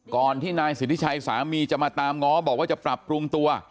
ก่อนที่นายสิทธิชัยสามีจะมาตามง้อบอกว่าจะปรับปรุงตัว